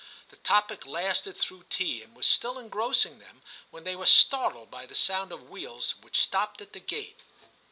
The topic lasted through tea, and was still engrossing them when they were startled by the sound of wheels, which stopped at the gate.